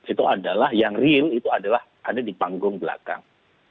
itu adalah yang real itu adalah ada di panggung belakang